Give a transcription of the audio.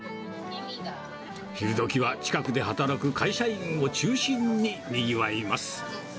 昼どきは近くで働く会社員を中心ににぎわいます。